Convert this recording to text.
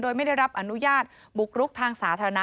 โดยไม่ได้รับอนุญาตบุกรุกทางสาธารณะ